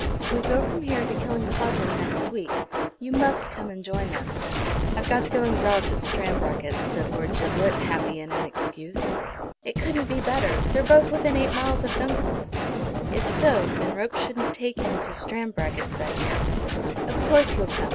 "We go from here to Killancodlem next week. You must come and join us." "I've got to go and grouse at Stranbracket's," said Lord Giblet, happy in an excuse. "It couldn't be better. They're both within eight miles of Dunkeld." If so, then ropes shouldn't take him to Stranbracket's that year. "Of course you'll come.